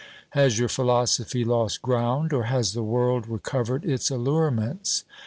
Has your philosophy lost ground ? or has the world recovered its allurements ?